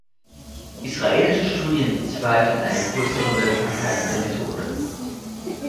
Israelische Studien bezweifeln eine größere Wirksamkeit der Methode.